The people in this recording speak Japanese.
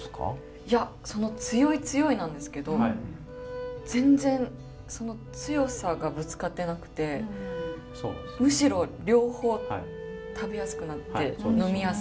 いやその「強い」「強い」なんですけど全然その強さがぶつかってなくてむしろ両方食べやすくなって呑みやすいっていう。